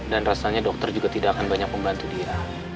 dan rasanya dokter juga tidak akan banyak membantu dia